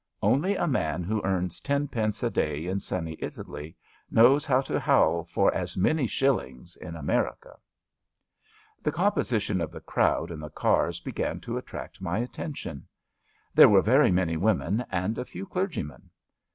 Only a man who earns ten pence a day in sunny Italy knows how to howl for as many shillings in America. The composition of the crowd in the cars began to attract my attention. There were very many women and a few clergymen.